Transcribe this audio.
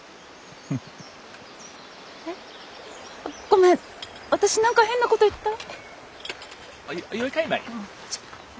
ごめん私何か変なこと言った？